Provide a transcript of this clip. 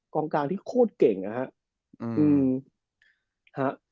กองกลางที่โคตรเก่งอะฮะ